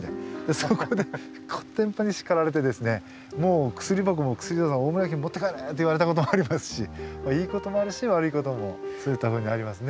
そこでコテンパンに叱られて薬箱も大村家に持って帰れって言われたこともありますしいいこともあるし悪いこともそういったふうにありますね。